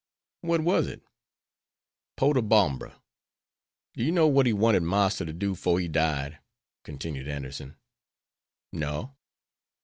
"What was it?" "Potobombra. Do you know what he wanted Marster to do 'fore he died?" continued Anderson. "No."